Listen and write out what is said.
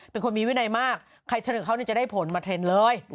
เป็นคนมีวินัยมากใครเสนอเขาจะได้ผลมาเทรนด์เลย